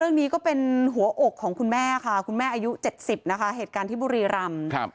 เรื่องนี้ก็เป็นหัวอกของคุณแม่ค่ะคุณแม่อายุ๗๐นะคะเหตุการณ์ที่บุรีรำ